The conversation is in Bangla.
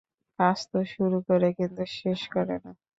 কাজ তো শুরু করে কিন্তু শেষ করে না।